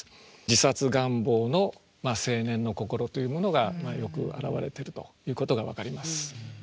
自殺願望の青年の心というものがよく表れているということが分かります。